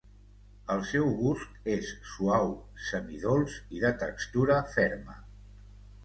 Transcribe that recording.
El seu gust és suau, semidolç i de textura ferma.